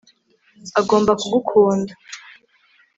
agomba kugukunda